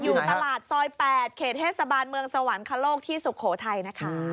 อยู่ตลาดซอย๘เขตเทศบาลเมืองสวรรคโลกที่สุโขทัยนะคะ